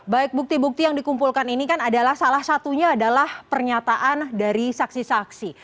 baik bukti bukti yang dikumpulkan ini kan adalah salah satunya adalah pernyataan dari saksi saksi